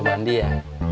nggak mandi ya